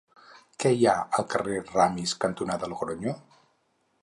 Què hi ha al carrer Ramis cantonada Logronyo?